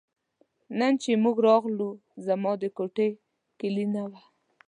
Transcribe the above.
نن چې موږ راغلو زما د کوټې کیلي نه وه.